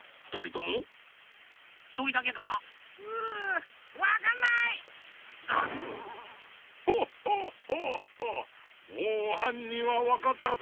もうはんにんはわかったぞ。